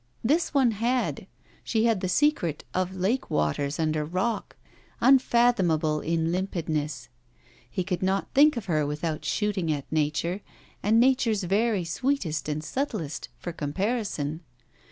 This one had: she had the secret of lake waters under rock, unfathomable in limpidness. He could not think of her without shooting at nature, and nature's very sweetest and subtlest, for comparison.